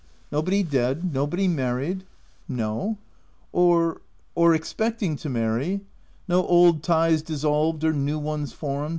i( Nobody dead? nobody married ?"« No." " Or — or expecting to marry ?— No old ties dissolved or new ones formed